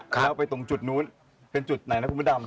แล้วไปตรงจุดนู้นเป็นจุดไหนนะคุณพระดำ